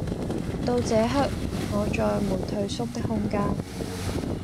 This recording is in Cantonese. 到這刻我再沒退縮的空間